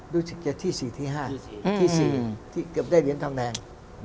รู้สึกจะที่๔ที่๕ที่๔ที่เกือบได้เหรียญทองแดง